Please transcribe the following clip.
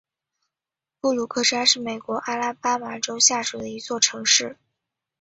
布鲁克山是美国阿拉巴马州下属的一座城市。